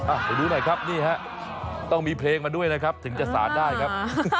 ไปดูหน่อยครับนี่ฮะต้องมีเพลงมาด้วยนะครับถึงจะสารได้ครับ